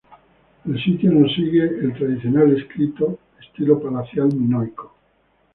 El sitio no sigue el tradicional estilo palacial minoico.